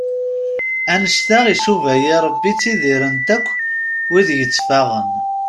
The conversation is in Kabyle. Annect-a icuba-iyi Rebbi ttidiren-t akk wid yetteffaɣen.